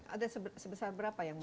ada sebesar berapa yang